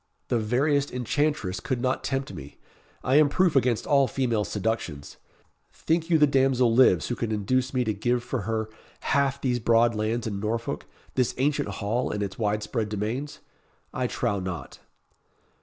The veriest enchantress could not tempt me. I am proof against all female seductions. Think you the damsel lives who could induce me to give for her half these broad lands in Norfolk this ancient hall, and its wide spread domains? I trow not."